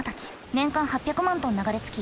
年間８００万トン流れ着き